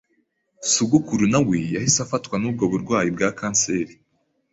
Sogokuru na we yahise afatwa n’ubwo burwayi bwa kanseri,